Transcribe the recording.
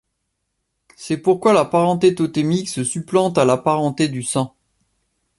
C'est pourquoi la parenté totémique se supplante à la parenté du sang.